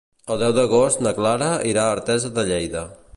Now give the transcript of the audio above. El deu d'agost na Clara irà a Artesa de Lleida.